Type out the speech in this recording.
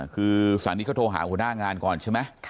คือสานิทก็โทรหาหัวหน้างานก่อนใช่ไหม